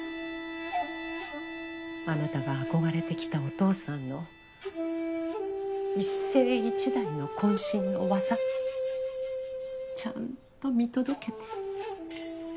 あなたが憧れてきたお父さんの一世一代の渾身の技ちゃんと見届けて。